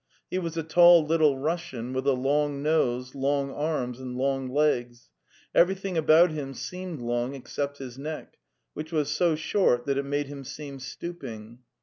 He was a tall Little Russian, with a long nose, long arms and long legs; everything about him seemed long except his neck, which was so short that it made him seem stooping.